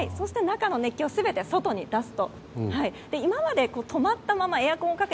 そして中の熱気を全て外に出す。